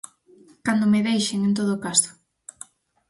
Cando me deixen, en todo caso.